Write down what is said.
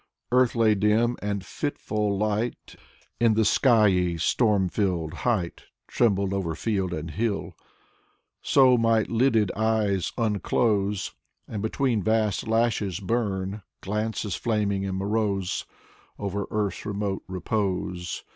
Earth lay dim, and fitful light In the skyey, storm filled height Trembled over field and hill. So might lidded eyes unclose, And between vast lashes bum Glances flaming and morose. Over earth's remote repose.